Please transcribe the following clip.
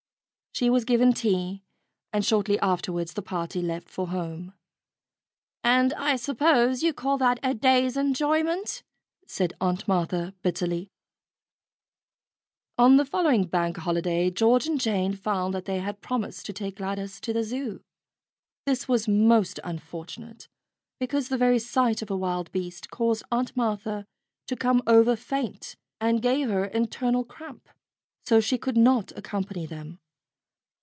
She was given tea, and shortly afterwards the party left for home. "And I suppose you call that a day's enjoyment," said Aunt Martha bitterly. * On the following Bank Holiday, George and Jane found that they had promised to take Gladys to the Zoo. This was most unfortunate, because the very sight of a wild beast caused Aunt Martha to come over faint and gave her internal cramp. So she could not accompany them.